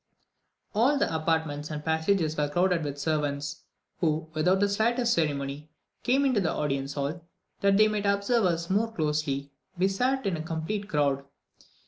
All the apartments and passages were crowded with servants, who, without the slightest ceremony, came into the audience hall, that they might observe us more closely; we sat in a complete crowd.